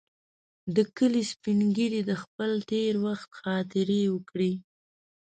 د کلي سپین ږیري د خپل تېر وخت خاطرې وکړې.